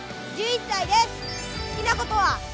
１１歳です。